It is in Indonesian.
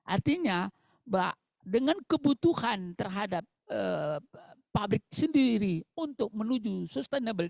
artinya dengan kebutuhan terhadap publik sendiri untuk menuju sustainable